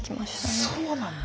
あそうなんだ。